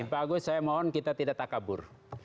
pak agus saya mohon kita tidak takabur